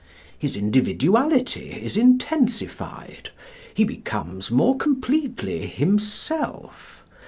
His individuality is intensified. He becomes more completely himself.